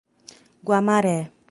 Guamaré